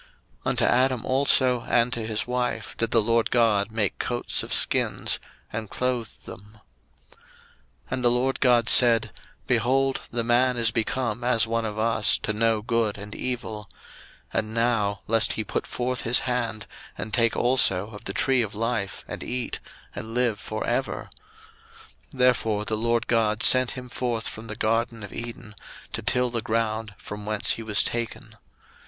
01:003:021 Unto Adam also and to his wife did the LORD God make coats of skins, and clothed them. 01:003:022 And the LORD God said, Behold, the man is become as one of us, to know good and evil: and now, lest he put forth his hand, and take also of the tree of life, and eat, and live for ever: 01:003:023 Therefore the LORD God sent him forth from the garden of Eden, to till the ground from whence he was taken.